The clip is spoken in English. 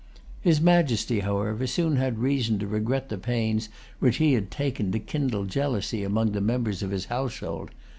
His Majesty, however, soon had reason to regret the pains which he had taken to kindle jealousy among the members of his household.